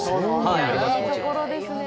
いいところですね。